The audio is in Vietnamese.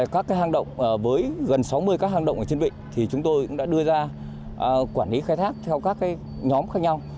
các hàng động với gần sáu mươi các hàng động ở trên vịnh thì chúng tôi đã đưa ra quản lý khai thác theo các nhóm khác nhau